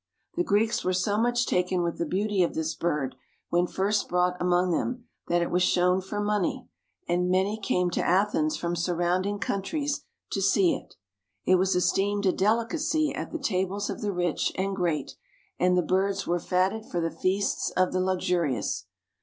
The Greeks were so much taken with the beauty of this bird, when first brought among them, that it was shown for money, and many came to Athens from surrounding countries to see it. It was esteemed a delicacy at the tables of the rich and great and the birds were fatted for the feasts of the luxurious.